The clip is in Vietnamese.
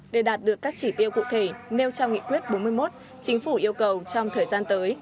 để đạt được các chỉ tiêu cụ thể nêu trong nghị quyết bốn mươi một chính phủ yêu cầu trong thời gian tới